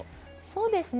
そうですね。